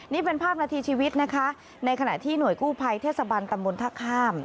นี่เป็นภาพนาทีชีวิตนะคะในขณะที่หน่วยกู้ภัยเทศบันตำบลท่าข้าม